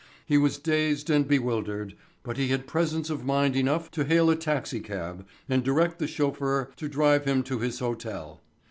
He was dazed and bewildered, but he had presence of mind enough to hail a taxicab and direct the chauffeur to drive him to his hotel.